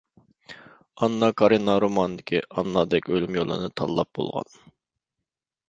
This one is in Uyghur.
ئاننا كارىنىنا رومانىدىكى ئاننادەك ئۆلۈم يولىنى تاللاپ بولغان،